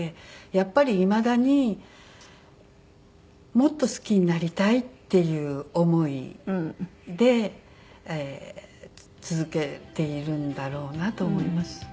やっぱりいまだにもっと好きになりたいっていう思いで続けているんだろうなと思います。